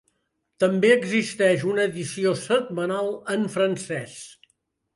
També existeix una edició setmanal en francès.